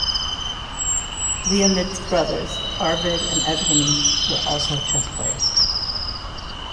Leonid's brothers, Arvid and Evgeny, were also chess players.